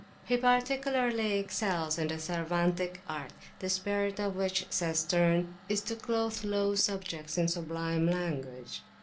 He particularly excels in the Cervantic art, the spirit of which, says Sterne, is to clothe low subjects in sublime language.